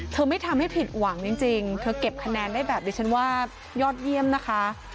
ไม่ทำให้ผิดหวังจริงเธอเก็บคะแนนได้แบบนี้ฉันว่ายอดเยี่ยมนะคะ